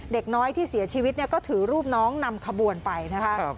เด็กน้อยที่เสียชีวิตเนี่ยก็ถือรูปน้องนำขบวนไปนะคะ